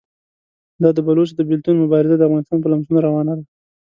دا د بلوڅو د بېلتون مبارزه د افغانستان په لمسون روانه ده.